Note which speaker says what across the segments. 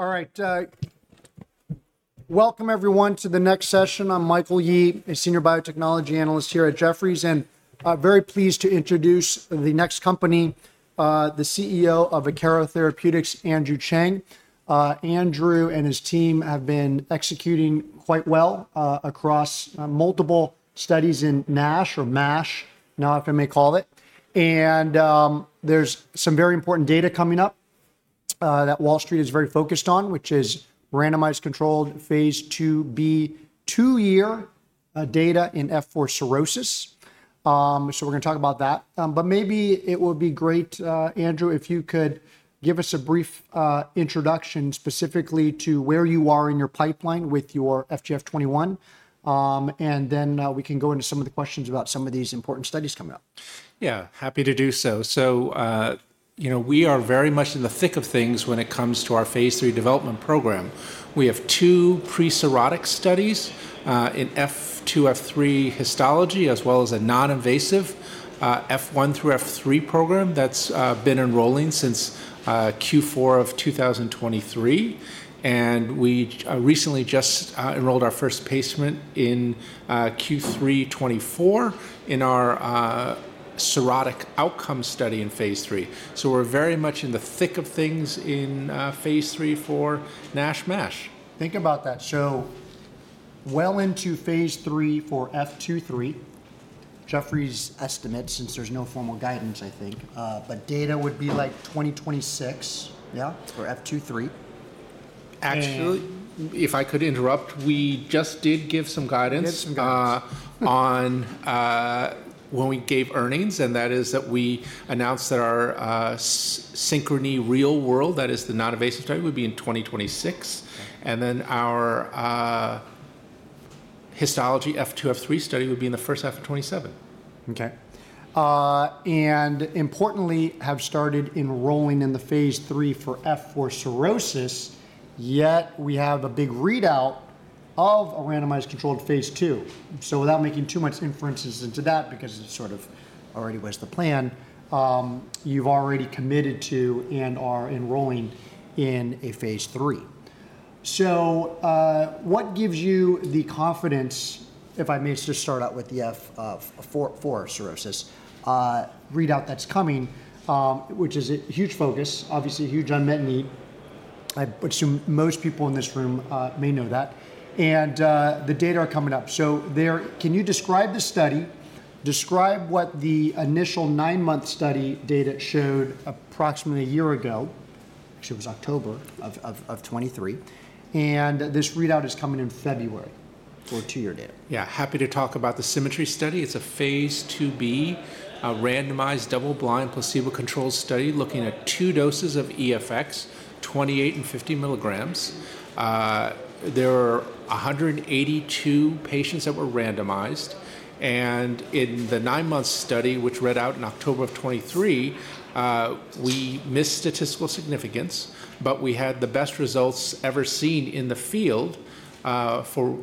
Speaker 1: All right, welcome everyone to the next session. I'm Michael Yee, a senior biotechnology analyst here at Jefferies, and I'm very pleased to introduce the next company, the CEO of Akero Therapeutics, Andrew Cheng. Andrew and his team have been executing quite well across multiple studies in NASH, or MASH, now if I may call it, and there's some very important data coming up that Wall Street is very focused on, which is randomized controlled phase 2b, two-year data in F4 cirrhosis, so we're going to talk about that, but maybe it would be great, Andrew, if you could give us a brief introduction specifically to where you are in your pipeline with your FGF21, and then we can go into some of the questions about some of these important studies coming up.
Speaker 2: Yeah, happy to do so. So we are very much in the thick of things when it comes to our phase three development program. We have two pre-cirrhotic studies in F2, F3 histology, as well as a non-invasive F1 through F3 program that's been enrolling since Q4 of 2023. And we recently just enrolled our first patient in Q3 '24 in our cirrhotic outcome study in phase three. So we're very much in the thick of things in phase three, four, NASH, MASH. Think about that. So well into phase three for F2-3, Jefferies estimates, since there's no formal guidance, I think, but data would be like 2026, yeah, for F2-3. Actually, if I could interrupt, we just did give some guidance on when we gave earnings, and that is that we announced that our SYNCHRONY Real-World, that is the non-invasive study, would be in 2026. And then our Histology F2, F3 study would be in the first half of 2027. Okay. And importantly, you have started enrolling in the phase 3 for F4 cirrhosis, yet you have a big readout of a randomized controlled phase 2. So without making too much inferences into that, because it sort of already was the plan, you've already committed to and are enrolling in a phase 3.
Speaker 1: So what gives you the confidence, if I may just start out with the F4 cirrhosis readout that's coming, which is a huge focus, obviously a huge unmet need. I assume most people in this room may know that. And the data are coming up. So can you describe the study? Describe what the initial nine-month study data showed approximately a year ago. Actually, it was October of 2023. And this readout is coming in February for two-year data.
Speaker 2: Yeah, happy to talk about the SYMMETRY study. It's a phase 2b, a randomized double-blind placebo-controlled study looking at two doses of EFX, 28 and 50 milligrams. There were 182 patients that were randomized. And in the nine-month study, which read out in October of 2023, we missed statistical significance, but we had the best results ever seen in the field for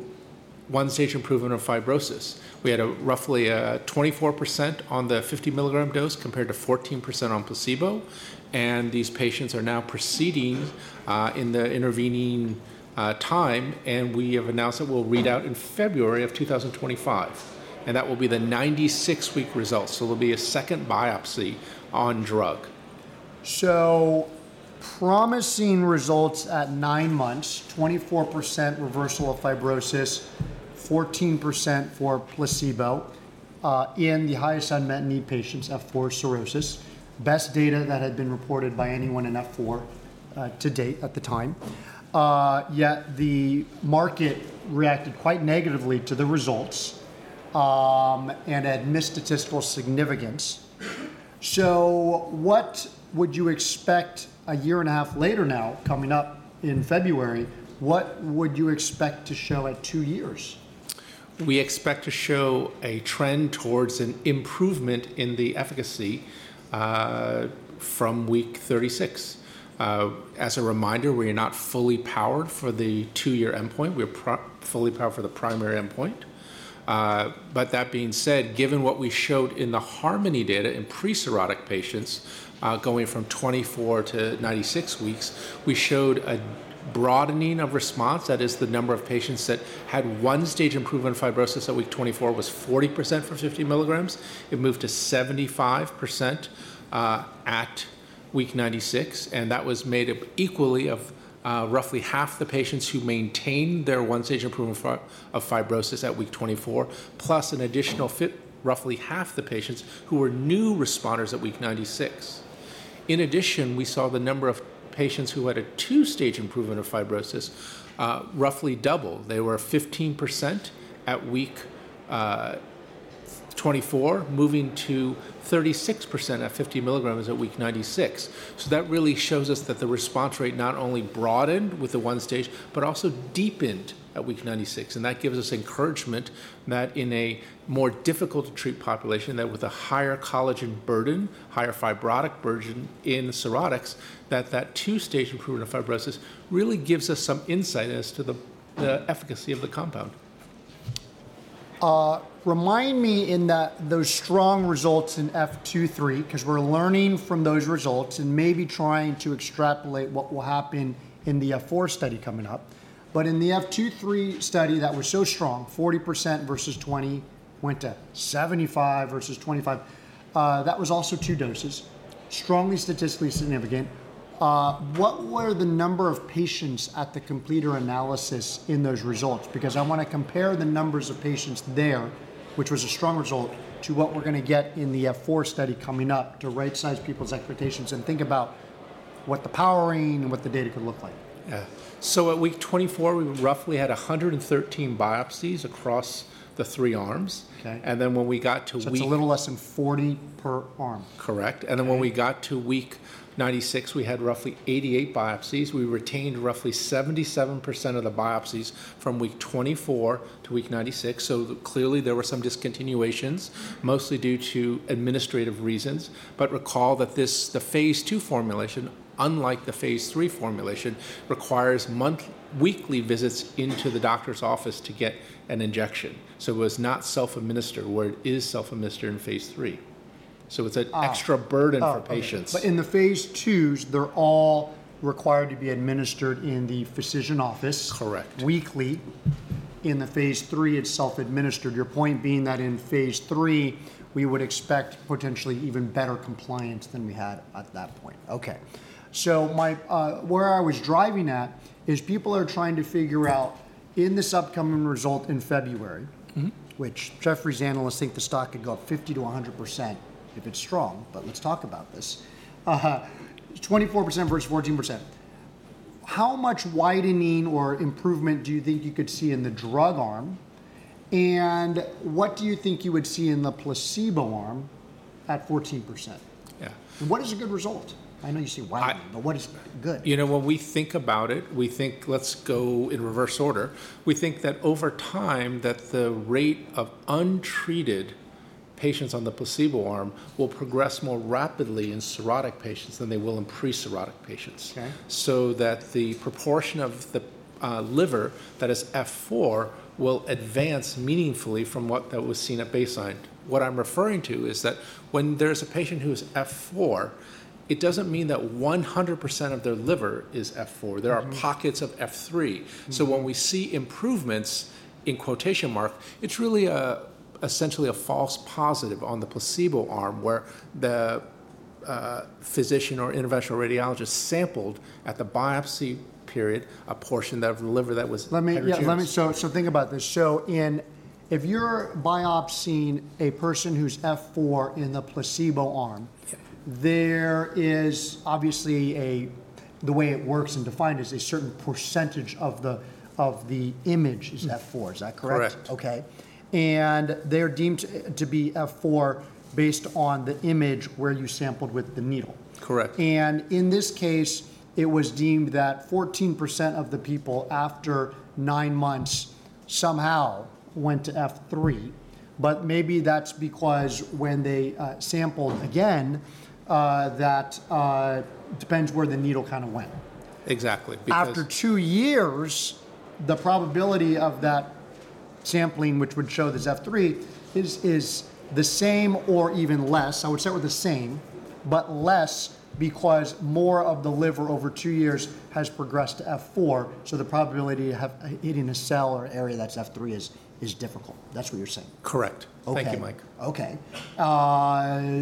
Speaker 2: one-stage improvement of fibrosis. We had roughly 24% on the 50 milligram dose compared to 14% on placebo. And these patients are now proceeding in the intervening time. And we have announced that we'll read out in February of 2025. And that will be the 96-week results. So there'll be a second biopsy on drug.
Speaker 1: So, promising results at nine months, 24% reversal of fibrosis, 14% for placebo in the highest unmet need patients with F4 cirrhosis, best data that had been reported by anyone in F4 to date at the time. Yet the market reacted quite negatively to the results and had missed statistical significance. So what would you expect a year and a half later now, coming up in February? What would you expect to show at two years?
Speaker 2: We expect to show a trend towards an improvement in the efficacy from week 36. As a reminder, we are not fully powered for the two-year endpoint. We are fully powered for the primary endpoint. But that being said, given what we showed in the HARMONY data in pre-cirrhotic patients going from 24 to 96 weeks, we showed a broadening of response. That is, the number of patients that had one-stage improvement fibrosis at week 24 was 40% for 50 milligrams. It moved to 75% at week 96. And that was made up equally of roughly half the patients who maintained their one-stage improvement of fibrosis at week 24, plus an additional roughly half the patients who were new responders at week 96. In addition, we saw the number of patients who had a two-stage improvement of fibrosis roughly double. They were 15% at week 24, moving to 36% at 50 milligrams at week 96. So that really shows us that the response rate not only broadened with the one-stage, but also deepened at week 96. And that gives us encouragement that in a more difficult to treat population, that with a higher collagen burden, higher fibrotic burden in cirrhotics, that that two-stage improvement of fibrosis really gives us some insight as to the efficacy of the compound.
Speaker 1: Remind me in those strong results in F2-F3, because we're learning from those results and maybe trying to extrapolate what will happen in the F4 study coming up. But in the F2-F3 study that was so strong, 40% versus 20%, went to 75% versus 25%, that was also two doses, strongly statistically significant. What were the number of patients at the completer analysis in those results? Because I want to compare the numbers of patients there, which was a strong result, to what we're going to get in the F4 study coming up to right-size people's expectations and think about what the powering and what the data could look like.
Speaker 2: Yeah. So at week 24, we roughly had 113 biopsies across the three arms. And then when we got to week.
Speaker 1: So it's a little less than 40 per arm.
Speaker 2: Correct. And then when we got to week 96, we had roughly 88 biopsies. We retained roughly 77% of the biopsies from week 24 to week 96. So clearly there were some discontinuations, mostly due to administrative reasons. But recall that the phase two formulation, unlike the phase three formulation, requires weekly visits into the doctor's office to get an injection. So it was not self-administered, where it is self-administered in phase three. So it's an extra burden for patients.
Speaker 1: But in the phase twos, they're all required to be administered in the physician office.
Speaker 2: Correct.
Speaker 1: Weekly. In the phase 3, it's self-administered. Your point being that in phase 3, we would expect potentially even better compliance than we had at that point. Okay. So where I was driving at is people are trying to figure out in this upcoming result in February, which Jefferies analysts think the stock could go up 50%-100% if it's strong, but let's talk about this. 24% versus 14%. How much widening or improvement do you think you could see in the drug arm? And what do you think you would see in the placebo arm at 14%?
Speaker 2: Yeah.
Speaker 1: And what is a good result? I know you say widening, but what is good?
Speaker 2: You know, when we think about it, we think, let's go in reverse order. We think that over time, the rate of untreated patients on the placebo arm will progress more rapidly in cirrhotic patients than they will in pre-cirrhotic patients. So that the proportion of the liver that is F4 will advance meaningfully from what was seen at baseline. What I'm referring to is that when there's a patient who is F4, it doesn't mean that 100% of their liver is F4. There are pockets of F3. So when we see improvements in quotation marks, it's really essentially a false positive on the placebo arm where the physician or interventional radiologist sampled at the biopsy period a portion of the liver that was.
Speaker 1: Let me think about this. So if you're biopsying a person who's F4 in the placebo arm, there is obviously a, the way it works and defined is a certain percentage of the image is F4. Is that correct?
Speaker 2: Correct.
Speaker 1: Okay. And they're deemed to be F4 based on the image where you sampled with the needle.
Speaker 2: Correct.
Speaker 1: In this case, it was deemed that 14% of the people after nine months somehow went to F3. But maybe that's because when they sampled again, that depends where the needle kind of went.
Speaker 2: Exactly.
Speaker 1: After two years, the probability of that sampling, which would show this F3, is the same or even less. I would start with the same, but less because more of the liver over two years has progressed to F4. So the probability of hitting a cell or area that's F3 is difficult. That's what you're saying.
Speaker 2: Correct. Thank you, Mike.
Speaker 1: Okay.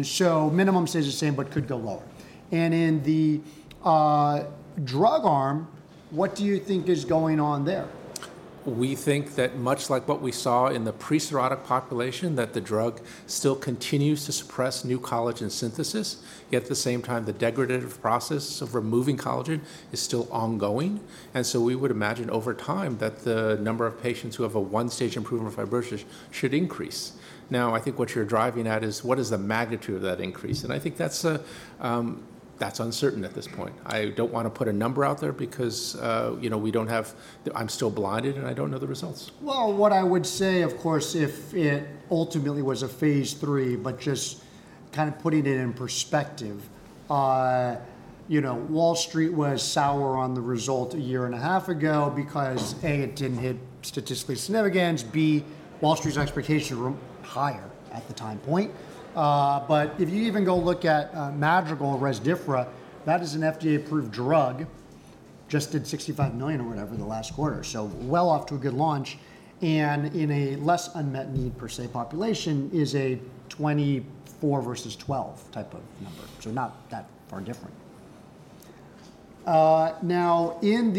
Speaker 1: So minimum stays the same, but could go lower. And in the drug arm, what do you think is going on there?
Speaker 2: We think that much like what we saw in the pre-cirrhotic population, that the drug still continues to suppress new collagen synthesis, yet at the same time, the degradative process of removing collagen is still ongoing. And so we would imagine over time that the number of patients who have a one-stage improvement of fibrosis should increase. Now, I think what you're driving at is what is the magnitude of that increase? And I think that's uncertain at this point. I don't want to put a number out there because we don't have, I'm still blinded and I don't know the results.
Speaker 1: What I would say, of course, if it ultimately was a phase three, but just kind of putting it in perspective, Wall Street was sour on the result a year and a half ago because A, it didn't hit statistical significance, B, Wall Street's expectations were higher at the time point. But if you even go look at Madrigal Resdifra, that is an FDA-approved drug, just did $65 million or whatever the last quarter. So it is off to a good launch. And in a less unmet need per se population, it is a 24 versus 12 type of number. So not that far different. Now, in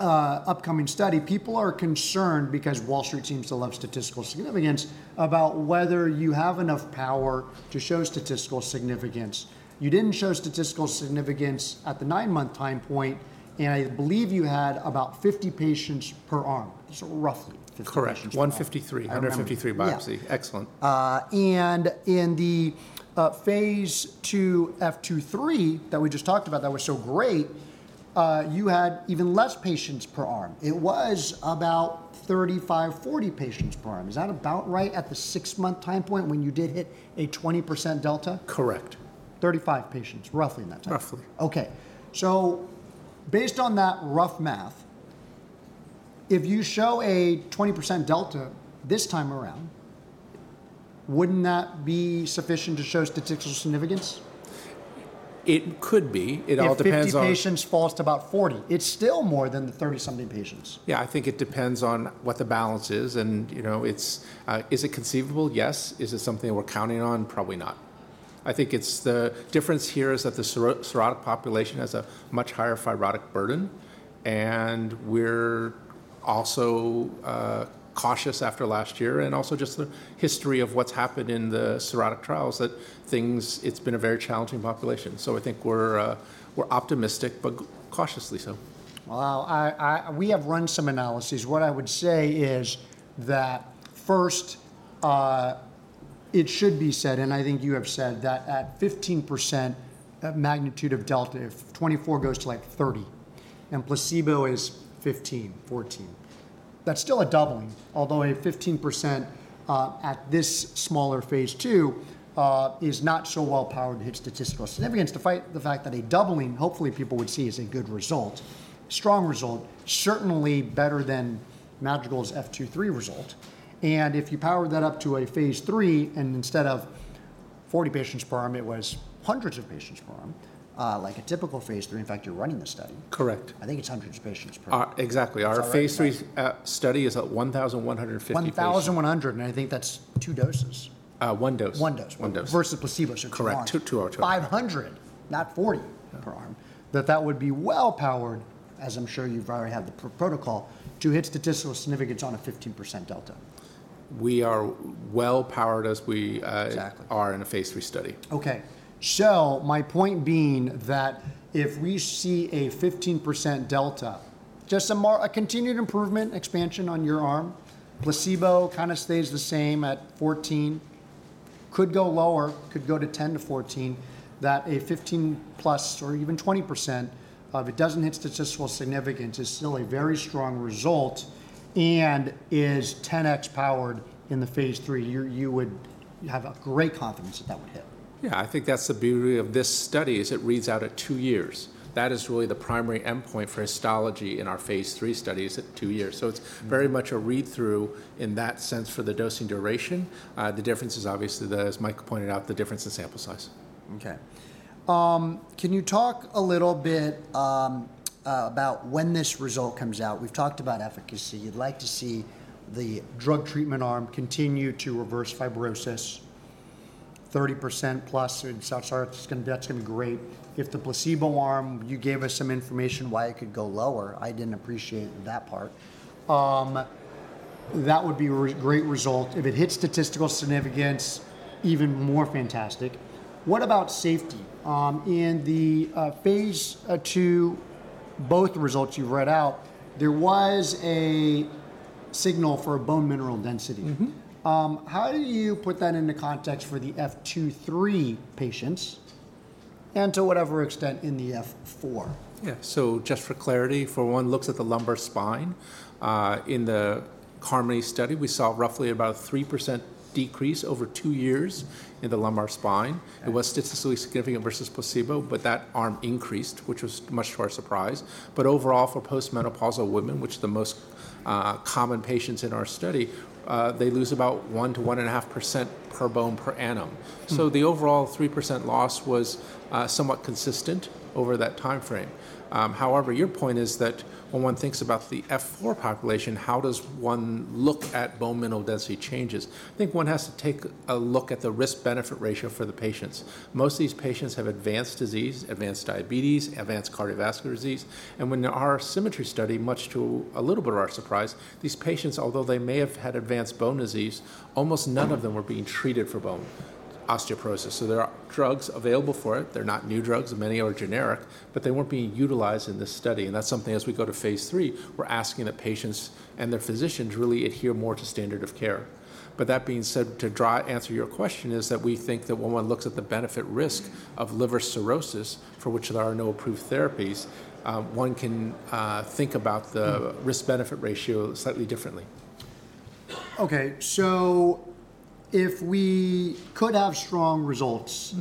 Speaker 1: the upcoming study, people are concerned because Wall Street seems to love statistical significance about whether you have enough power to show statistical significance. You didn't show statistical significance at the nine-month time point. And I believe you had about 50 patients per arm. Roughly 50 patients.
Speaker 2: Correct. 153. 153 biopsies. Excellent.
Speaker 1: In the phase 2 F2-F3 that we just talked about that was so great, you had even less patients per arm. It was about 35-40 patients per arm. Is that about right at the six-month time point when you did hit a 20% delta?
Speaker 2: Correct.
Speaker 1: 35 patients, roughly in that time.
Speaker 2: Roughly.
Speaker 1: Okay, so based on that rough math, if you show a 20% delta this time around, wouldn't that be sufficient to show statistical significance?
Speaker 2: It could be. It all depends on.
Speaker 1: 50 patients falls to about 40. It's still more than the 30-something patients.
Speaker 2: Yeah, I think it depends on what the balance is. And is it conceivable? Yes. Is it something we're counting on? Probably not. I think the difference here is that the cirrhotic population has a much higher fibrotic burden. And we're also cautious after last year and also just the history of what's happened in the cirrhotic trials that things, it's been a very challenging population. So I think we're optimistic, but cautiously so.
Speaker 1: Wow. We have run some analyses. What I would say is that first, it should be said, and I think you have said that at 15% magnitude of delta, if 24 goes to like 30 and placebo is 15, 14, that's still a doubling. Although a 15% at this smaller phase 2 is not so well powered to hit statistical significance. Despite the fact that a doubling, hopefully people would see as a good result, strong result, certainly better than Madrigal's F2-F3 result, and if you power that up to a phase 3 and instead of 40 patients per arm, it was hundreds of patients per arm, like a typical phase 3. In fact, you're running the study.
Speaker 2: Correct.
Speaker 1: I think it's hundreds of patients per arm.
Speaker 2: Exactly. Our phase three study is at 1,150 patients.
Speaker 1: 1,100, and I think that's two doses.
Speaker 2: One dose.
Speaker 1: One dose.
Speaker 2: One dose.
Speaker 1: Versus placebo circling.
Speaker 2: Correct. Two or two.
Speaker 1: 500, not 40 per arm. That would be well powered, as I'm sure you've already had the protocol, to hit statistical significance on a 15% delta.
Speaker 2: We are well powered as we are in a phase three study.
Speaker 1: My point being that if we see a 15% delta, just a continued improvement, expansion on your arm, placebo kind of stays the same at 14%, could go lower, could go to 10%-14%, that a 15% plus or even 20% of it doesn't hit statistical significance is still a very strong result and is 10x powered in the phase 3. You would have great confidence that that would hit.
Speaker 2: Yeah. I think that's the beauty of this study is it reads out at two years. That is really the primary endpoint for histology in our phase three study is at two years. So it's very much a read-through in that sense for the dosing duration. The difference is obviously, as Mike pointed out, the difference in sample size.
Speaker 1: Okay. Can you talk a little bit about when this result comes out? We've talked about efficacy. You'd like to see the drug treatment arm continue to reverse fibrosis, 30% plus in SYNCHRONY. That's going to be great. If the placebo arm, you gave us some information why it could go lower. I didn't appreciate that part. That would be a great result. If it hits statistical significance, even more fantastic. What about safety? In the phase two, both results you read out, there was a signal for bone mineral density. How do you put that into context for the F2-3 patients and to whatever extent in the F4?
Speaker 2: Yeah. So just for clarity, for one, looks at the lumbar spine. In the HARMONY study, we saw roughly about a 3% decrease over two years in the lumbar spine. It was statistically significant versus placebo, but that arm increased, which was much to our surprise. But overall, for postmenopausal women, which are the most common patients in our study, they lose about 1-1.5% per bone per annum. So the overall 3% loss was somewhat consistent over that timeframe. However, your point is that when one thinks about the F4 population, how does one look at bone mineral density changes? I think one has to take a look at the risk-benefit ratio for the patients. Most of these patients have advanced disease, advanced diabetes, advanced cardiovascular disease. When our SYMMETRY study, much to a little bit of our surprise, these patients, although they may have had advanced bone disease, almost none of them were being treated for bone osteoporosis. So there are drugs available for it. They're not new drugs. Many are generic, but they weren't being utilized in this study. And that's something as we go to phase three, we're asking the patients and their physicians really adhere more to standard of care. But that being said, to answer your question is that we think that when one looks at the benefit-risk of liver cirrhosis, for which there are no approved therapies, one can think about the risk-benefit ratio slightly differently.
Speaker 1: Okay. So if we could have strong results,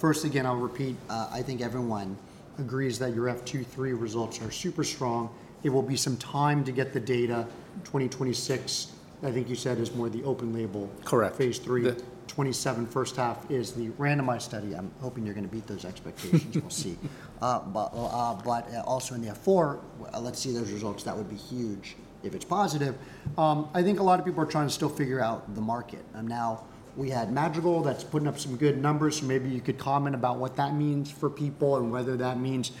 Speaker 1: first again, I'll repeat, I think everyone agrees that your F2-F3 results are super strong. It will be some time to get the data. 2026, I think you said, is more the open label.
Speaker 2: Correct.
Speaker 1: Phase 3. 2H first half is the randomized study. I'm hoping you're going to beat those expectations. We'll see. But also in the F4, let's see those results. That would be huge if it's positive. I think a lot of people are trying to still figure out the market. Now, we had Madrigal that's putting up some good numbers. Maybe you could comment about what that means for people and whether that means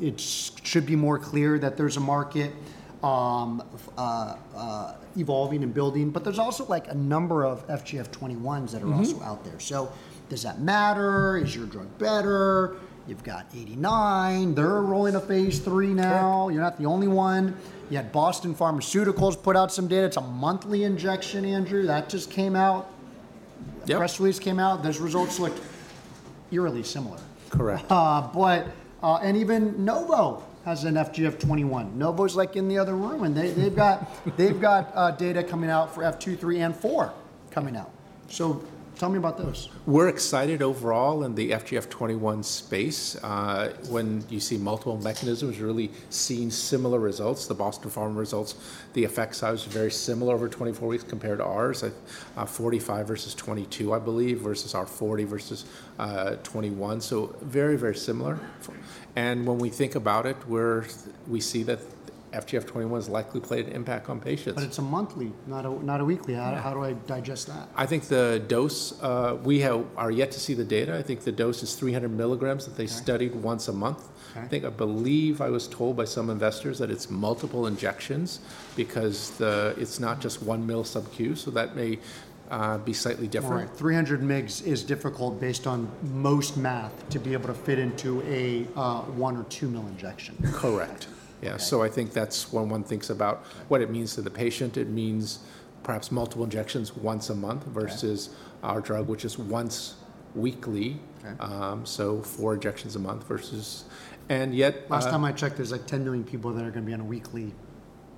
Speaker 1: it should be more clear that there's a market evolving and building. But there's also like a number of FGF21s that are also out there. So does that matter? Is your drug better? You've got 89. They're rolling a phase 3 now. You're not the only one. You had Boston Pharmaceuticals put out some data. It's a monthly injection, Andrew. That just came out. Press release came out. Those results looked eerily similar.
Speaker 2: Correct.
Speaker 1: And even Novo has an FGF21. Novo is like in the other room. And they've got data coming out for F2, 3, and 4 coming out. So tell me about those.
Speaker 2: We're excited overall in the FGF21 space. When you see multiple mechanisms, really seeing similar results. The Boston Pharmaceuticals results, the effect size is very similar over 24 weeks compared to ours. 45 versus 22, I believe, versus our 40 versus 21. So very, very similar, and when we think about it, we see that FGF21 has likely played an impact on patients.
Speaker 1: But it's a monthly, not a weekly. How do I digest that?
Speaker 2: I think the dose, we are yet to see the data. I think the dose is 300 milligrams that they studied once a month. I think I believe I was told by some investors that it's multiple injections because it's not just 1 mL sub-Q. So that may be slightly different.
Speaker 1: Right. 300 mgs is difficult based on most math to be able to fit into a one or two mil injection.
Speaker 2: Correct. Yeah. So I think that's when one thinks about what it means to the patient. It means perhaps multiple injections once a month versus our drug, which is once weekly. So four injections a month versus, and yet.
Speaker 1: Last time I checked, there's like 10 million people that are going to be on a weekly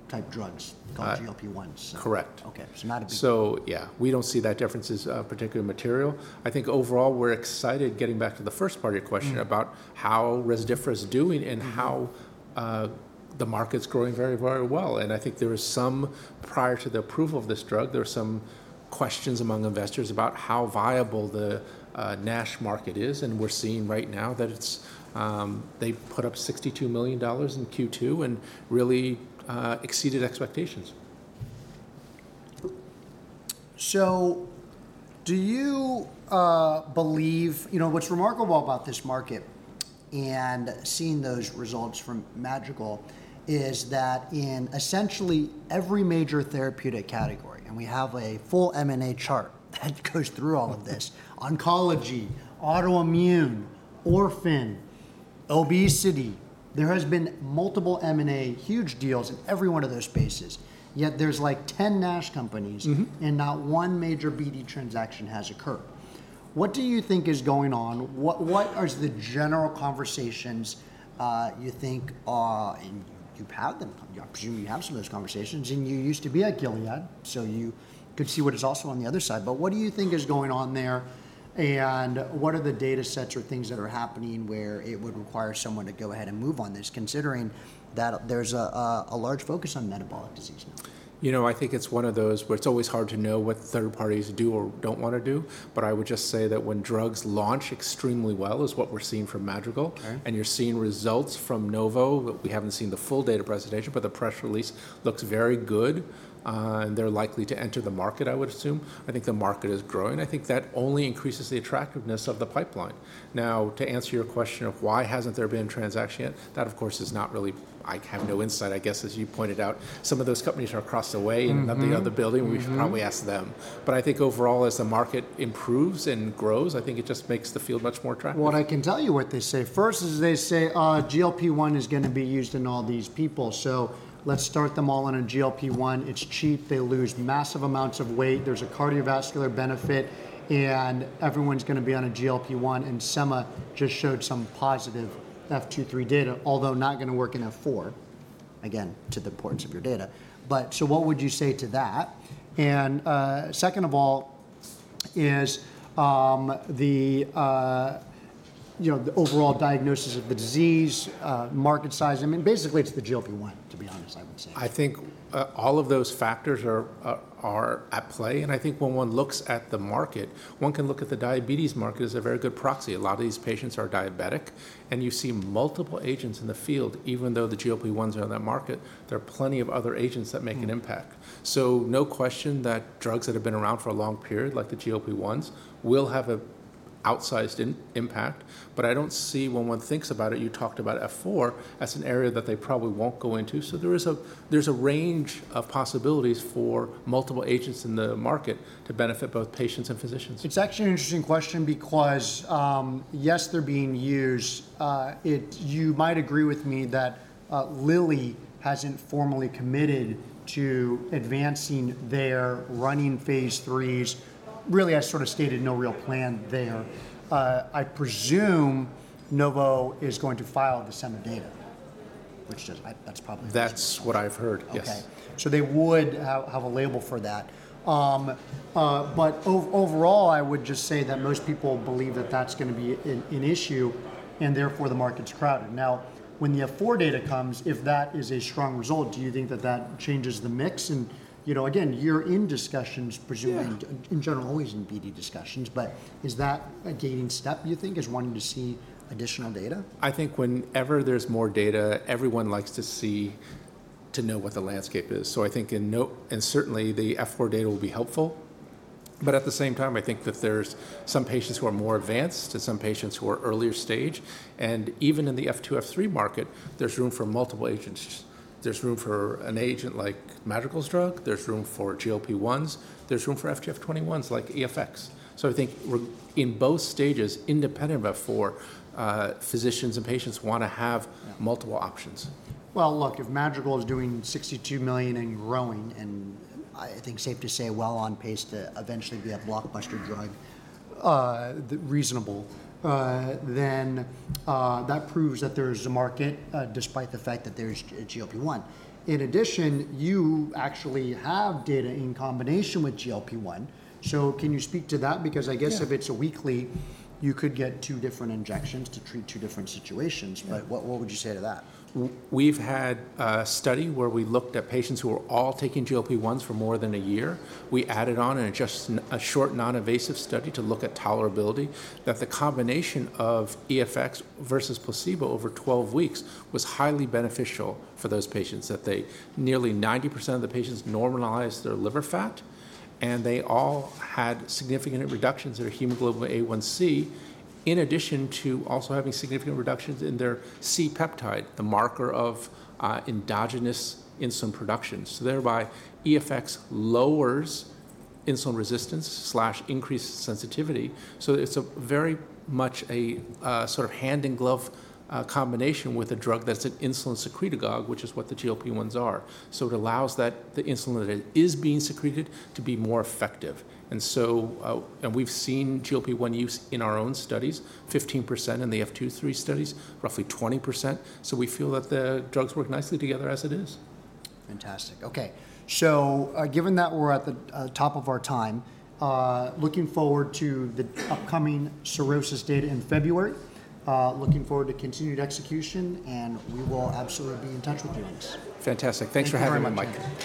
Speaker 1: type drugs called GLP-1.
Speaker 2: Correct.
Speaker 1: Okay. So not a big.
Speaker 2: Yeah, we don't see that difference is a particular material. I think overall, we're excited getting back to the first part of your question about how Resdifra is doing and how the market's growing very, very well. I think there is some, prior to the approval of this drug, there are some questions among investors about how viable the NASH market is. We're seeing right now that they put up $62 million in Q2 and really exceeded expectations.
Speaker 1: Do you believe, you know, what's remarkable about this market and seeing those results from Madrigal is that in essentially every major therapeutic category, and we have a full M&A chart that goes through all of this, oncology, autoimmune, orphan, obesity, there has been multiple M&A, huge deals in every one of those spaces. Yet there's like 10 NASH companies and not one major BD transaction has occurred. What do you think is going on? What are the general conversations you think, and you've had them, I presume you have some of those conversations, and you used to be at Gilead, so you could see what is also on the other side, but what do you think is going on there? What are the data sets or things that are happening where it would require someone to go ahead and move on this, considering that there's a large focus on metabolic disease now?
Speaker 2: You know, I think it's one of those where it's always hard to know what third parties do or don't want to do. But I would just say that when drugs launch extremely well is what we're seeing from Madrigal. And you're seeing results from Novo. We haven't seen the full data presentation, but the press release looks very good. They're likely to enter the market, I would assume. I think the market is growing. I think that only increases the attractiveness of the pipeline. Now, to answer your question of why hasn't there been transaction yet, that of course is not really, I have no insight, I guess, as you pointed out, some of those companies are across the way in the other building. We should probably ask them. But I think overall, as the market improves and grows, I think it just makes the field much more attractive.
Speaker 1: I can tell you what they say. First, they say GLP-1 is going to be used in all these people. Let's start them all on a GLP-1. It's cheap. They lose massive amounts of weight. There's a cardiovascular benefit. Everyone's going to be on a GLP-1. Sema just showed some positive F2-F3 data, although not going to work in F4, again, to the importance of your data. What would you say to that? Second of all, you know, the overall diagnosis of the disease, market size? I mean, basically it's the GLP-1, to be honest, I would say.
Speaker 2: I think all of those factors are at play, and I think when one looks at the market, one can look at the diabetes market as a very good proxy. A lot of these patients are diabetic, and you see multiple agents in the field. Even though the GLP-1s are in that market, there are plenty of other agents that make an impact, so no question that drugs that have been around for a long period, like the GLP-1s, will have an outsized impact, but I don't see when one thinks about it, you talked about F4 as an area that they probably won't go into, so there's a range of possibilities for multiple agents in the market to benefit both patients and physicians.
Speaker 1: It's actually an interesting question because yes, they're being used. You might agree with me that Lilly hasn't formally committed to advancing their running phase threes. Really, I sort of stated no real plan there. I presume Novo is going to file the Sema data, which that's probably.
Speaker 2: That's what I've heard. Yes.
Speaker 1: Okay. So they would have a label for that. But overall, I would just say that most people believe that that's going to be an issue and therefore the market's crowded. Now, when the F4 data comes, if that is a strong result, do you think that that changes the mix? And you know, again, you're in discussions, presumably in general, always in BD discussions. But is that a gating step, you think, is wanting to see additional data?
Speaker 2: I think whenever there's more data, everyone likes to see, to know what the landscape is, so I think certainly the F4 data will be helpful, but at the same time, I think that there's some patients who are more advanced and some patients who are earlier stage, and even in the F2, F3 market, there's room for multiple agents. There's room for an agent like Madrigal's drug. There's room for GLP-1s. There's room for FGF21s like EFX, so I think in both stages, independent of F4, physicians and patients want to have multiple options.
Speaker 1: Well, look, if Madrigal is doing $62 million and growing, and I think safe to say well on pace to eventually be a blockbuster drug, reasonable, then that proves that there is a market despite the fact that there's GLP-1. In addition, you actually have data in combination with GLP-1. So can you speak to that? Because I guess if it's a weekly, you could get two different injections to treat two different situations. But what would you say to that?
Speaker 2: We've had a study where we looked at patients who were all taking GLP-1s for more than a year. We added on an adjusted short non-invasive study to look at tolerability, that the combination of EFX versus placebo over 12 weeks was highly beneficial for those patients, that nearly 90% of the patients normalized their liver fat. And they all had significant reductions in their hemoglobin A1C, in addition to also having significant reductions in their C-peptide, the marker of endogenous insulin production. So thereby EFX lowers insulin resistance slash increased sensitivity. So it's very much a sort of hand in glove combination with a drug that's an insulin secretagogue, which is what the GLP-1s are. So it allows that the insulin that is being secreted to be more effective. And so we've seen GLP-1 use in our own studies, 15% in the F2-F3 studies, roughly 20%. We feel that the drugs work nicely together as it is.
Speaker 1: Fantastic. Okay. So given that we're at the top of our time, looking forward to the upcoming cirrhosis data in February, looking forward to continued execution, and we will absolutely be in touch with you on this.
Speaker 2: Fantastic. Thanks for having me, Mike.